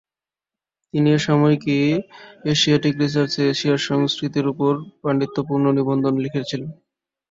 তিনি এর সাময়িকী এশিয়াটিক রিসার্চে এশিয়ার সংস্কৃতির উপর পাণ্ডিত্যপূর্ণ নিবন্ধ লিখেছেন।